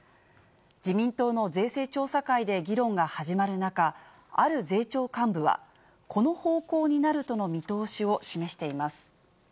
自民党の税制調査会で議論が始まる中、ある税調幹部は、この方向になるとの見通しを示しています。